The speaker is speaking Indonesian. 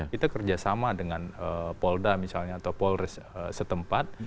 kita kerja sama dengan polda misalnya atau polres setempat